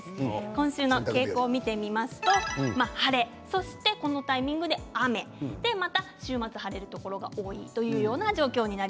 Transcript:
今週の傾向を見ていきますと晴れそしてこのタイミングで雨そしてまた週末で晴れるところが多いというのがその状況です。